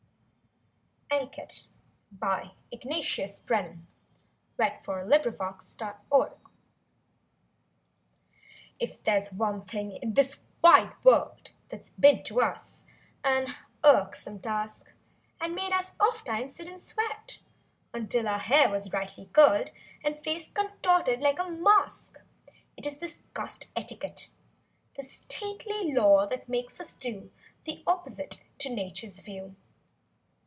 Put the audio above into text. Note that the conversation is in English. e Christian ways Know charity in every phase. "ETIQUETTE" If there's one thing in this wide world That's been to us an irksome task And made us ofttimes sit and sweat Until our hair was rightly curled. And face contorted like a mask. It is this cussed etiquette; This stately law that makes us do The opposite to Nature's view.